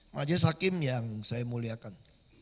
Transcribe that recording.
majelis hakim yang saya muliakan